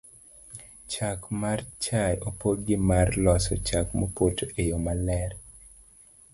chak mar chae opog gi mar loso chak mopoto e yo maler